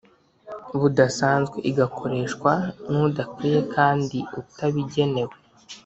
budasanzwe, igakoreshwa n'udakwiye kandi utabigenewe,